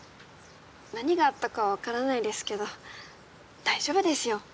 何があったかは分からないですけど大丈夫ですよ